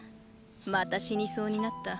また死にそうになった。